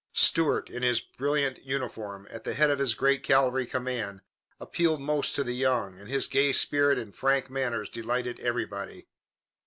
Stuart, in his brilliant uniform, at the head of his great cavalry command, appealed most to the young, and his gay spirit and frank manners delighted everybody.